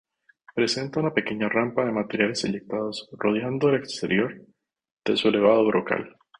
Presenta una pequeña rampa de materiales eyectados rodeando el exterior de su elevado brocal.